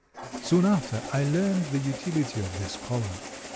Soon after I learned the utility of this collar.